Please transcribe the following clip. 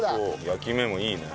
焼き目もいいね。